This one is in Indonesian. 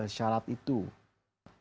hanya jakarta sekarang yang membawa kewajiban